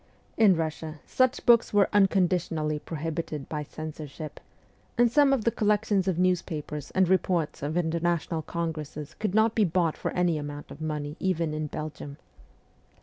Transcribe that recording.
In Russia such books were ' unconditionally prohibited ' by censorship ; and some of the collections of newspapers and reports of international congresses could not be bought for any amount of money even in Belgium.